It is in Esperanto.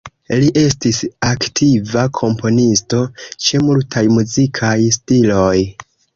Li estis aktiva komponisto, ĉe multaj muzikaj stiloj.